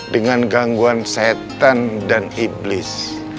dengan gangguan setan dan iblis